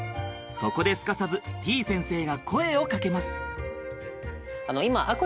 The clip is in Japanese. そこですかさずてぃ先生が声をかけます！